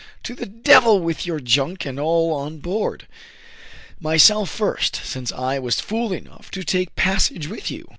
*'" To the devil with your junk and all on board !— myself first, since I was fool enough to take passage with you